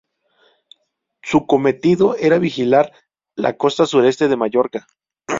Su cometido era vigilar la costa Sureste de Mallorca.